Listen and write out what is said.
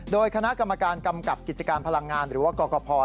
โดยคณะกรรมการกำกับกิจการพลังงานหรือว่ากรกภ